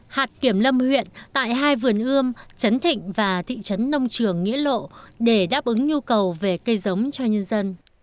hạt kiểm lâm huyện tại hai vườn ươm trấn thịnh và thị trấn nông trường nghĩa lộ để đáp ứng nhu cầu về cây giống cho nhân dân